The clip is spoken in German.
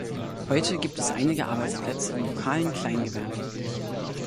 Heute gibt es einige Arbeitsplätze im lokalen Kleingewerbe.